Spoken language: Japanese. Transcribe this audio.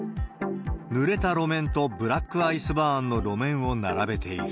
ぬれた路面とブラックアイスバーンの路面を並べている。